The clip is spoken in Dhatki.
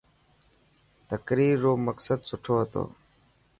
تقرير رو مقصد سٺو هتو.